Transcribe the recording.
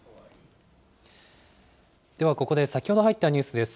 ではここで先ほど入ったニュースです。